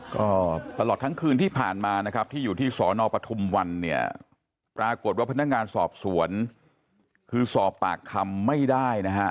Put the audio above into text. ก็ตลอดทั้งคืนที่ผ่านมานะครับที่อยู่ที่สอนอปทุมวันเนี่ยปรากฏว่าพนักงานสอบสวนคือสอบปากคำไม่ได้นะฮะ